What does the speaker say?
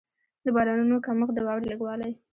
د بارانونو کمښت، د واورې لږ والی.